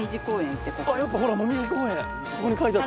やっぱほらもみじ公園。